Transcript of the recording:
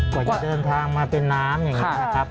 กว่าจะเดินทางมาเป็นน้ำอย่างนี้นะครับ